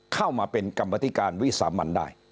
เข้ามาเป็นกรรมธิการวิสามันได้